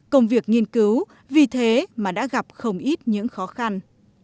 công việc nghiên cứu vì thế mà đã gặp không ít những khó khăn